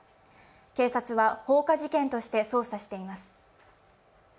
警察は放火事件として捜査しています。